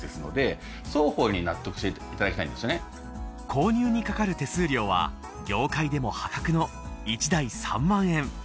購入にかかる手数料は業界でも破格の１台３万円